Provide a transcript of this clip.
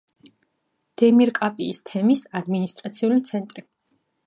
დემირ-კაპიის თემის ადმინისტრაციული ცენტრი.